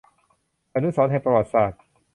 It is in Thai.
อนุสรณ์แห่งประวัติศาสตร์